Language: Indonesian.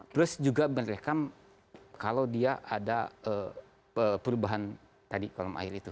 terus juga merekam kalau dia ada perubahan tadi kolom air itu